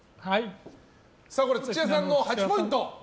土屋さんの８ポイント。